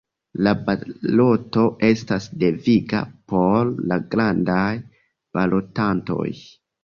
La baloto estas deviga por la grandaj balotantoj.